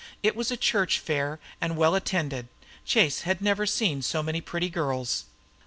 It was a church fair and well attended. Chase had never seen so many pretty girls.